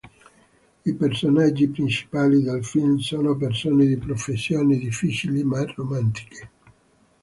I personaggi principali del film sono persone di professioni difficili ma romantiche.